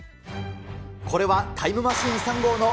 これはタイムマシーン３号の